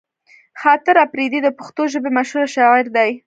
خاطر اپريدی د پښتو ژبې مشهوره شاعر دی